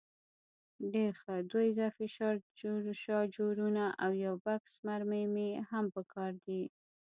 ډېر ښه، دوه اضافي شاجورونه او یو بکس مرمۍ مې هم په کار دي.